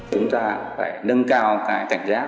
chúng ta phải nâng cao cảnh giác